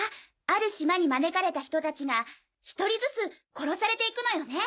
ある島に招かれた人達が１人ずつ殺されていくのよね。